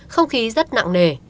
không khí rất nặng nề